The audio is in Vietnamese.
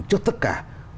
cho tất cả